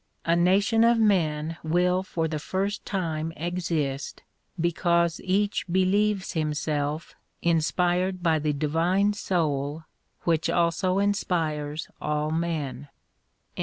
A nation of men will for the first time exist, because each believes himself inspired by the Divine Soul which also inspires all men.